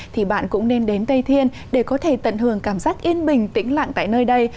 thì bạn cũng nên đến tây thiên để có thể tận hưởng cảm giác yên bình tĩnh lặng tại nơi đây